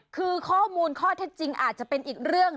คือข้อมูลข้อเท็จจริงอาจจะเป็นอีกเรื่อง